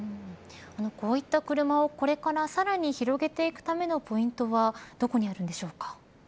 こういった車をこれからさらに広げていくためのポイントはどこにあるんでしょうか。